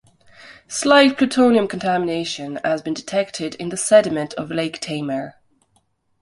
Slight plutonium contamination has been detected in the sediments of Lake Taymyr.